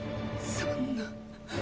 そんな。